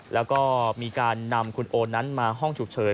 แล้วก็มีการนำคุณโอนั้นมาห้องฉุกเฉิน